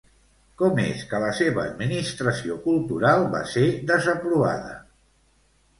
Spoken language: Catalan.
Com és que la seva administració cultural va ser desaprovada?